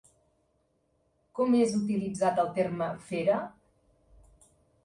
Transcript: Com és utilitzat el terme “fera”?